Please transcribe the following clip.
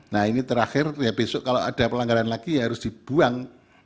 nah ini terakhir ya besok kalau ada pelanggaran lagi harus dibuang